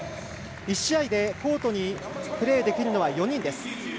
１試合でコートにプレーできるのは４人です。